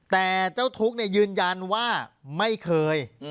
แต่เจ้าทุกข์ยืนยันว่าไม่เคย